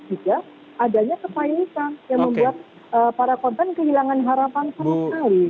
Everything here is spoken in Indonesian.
juga adanya kepainitan yang membuat para korban kehilangan harapan selama hari